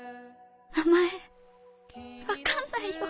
名前分かんないよ。